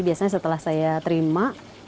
biasanya setelah saya terima